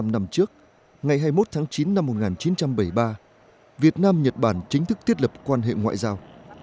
bốn mươi năm năm trước ngày hai mươi một tháng chín năm một nghìn chín trăm bảy mươi ba việt nam nhật bản chính thức thiết lập quan hệ ngoại giao